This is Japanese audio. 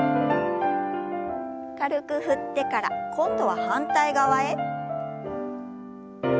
軽く振ってから今度は反対側へ。